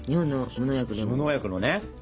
無農薬のね。